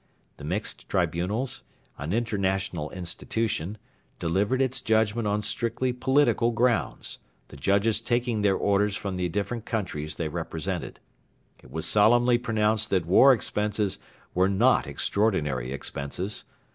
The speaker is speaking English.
The Mixed Tribunals, an international institution, delivered its judgment on strictly political grounds, the judges taking their orders from the different countries they represented. It was solemnly pronounced that war expenses were not 'extraordinary expenses.'